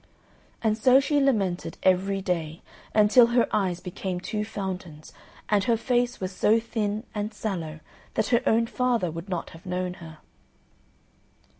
And so she lamented every day, until her eyes became two fountains, and her face was so thin and sallow, that her own father would not have known her.